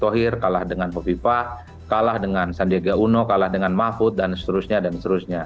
thohir kalah dengan kofifa kalah dengan sandiaga uno kalah dengan mahfud dan seterusnya dan seterusnya